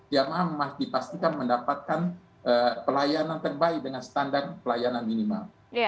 jamaah memastikan mendapatkan pelayanan terbaik dengan standar pelayanan minimal